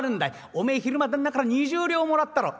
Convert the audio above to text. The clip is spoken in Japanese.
「おめえ昼間旦那から２０両もらったろ」。